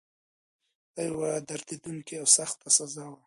دا یوه ډېره دردونکې او سخته سزا وه.